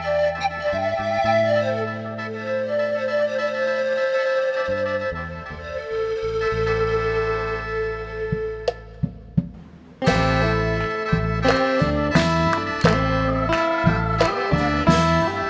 หลังจากเหยาะดื่มต่อโลก